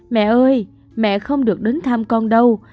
mẹ ơi mẹ không được đến thăm con đâu